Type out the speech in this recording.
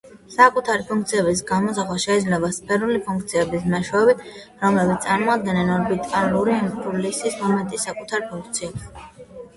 საკუთარი ფუნქციების გამოსახვა შეიძლება სფერული ფუნქციების მეშვეობით რომლებიც წამოადგენენ ორბიტალური იმპულსის მომენტის საკუთარ ფუნქციებს.